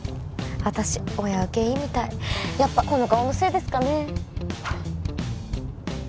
私親受けいいみたいやっぱこの顔のせいですかね？